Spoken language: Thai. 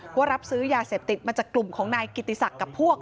ว่ารับซื้อยาเสพติดมาจากกลุ่มของนายกิติศักดิ์กับพวก